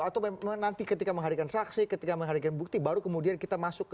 atau memang nanti ketika mengharikan saksi ketika mengharikan bukti baru kemudian kita masuk ke